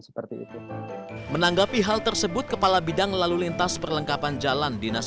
seperti itu menanggapi hal tersebut kepala bidang lalu lintas perlengkapan jalan dinas